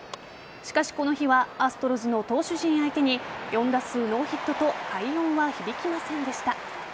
しかし、この日はアストロズの投手陣相手に４打数ノーヒットと快音は響きませんでした。